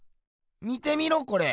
見てみろこれ。